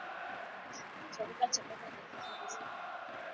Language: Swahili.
Chakula cha baba ni kizuri sana.